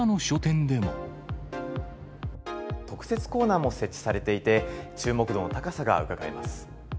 特設コーナーも設置されていて、注目度の高さがうかがえます。